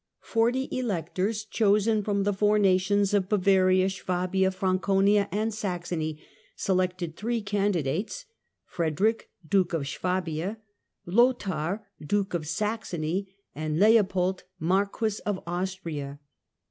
Forty electors, chosen from the four "nations" of Bavaria, Swabia, Franconia and Saxony, selected three candidates, Frederick Duke of Swabia, Lothair Duke of Saxony, and Leopold Marquis of Austria.